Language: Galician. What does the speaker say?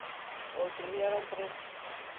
O outro día eran tres.